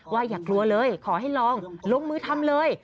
อย่ากลัวเลยขอให้ลองลงมือทำเลย